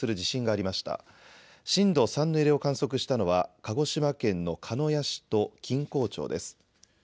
震度３の揺れを観測したのは鹿児島県の鹿屋市と錦江町です。